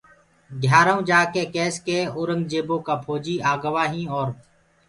گھِيآرآئونٚ جآڪي ڪيس ڪي اورنٚگجيبو ڪآ ڦوجيٚ آگوآ هيٚنٚ اور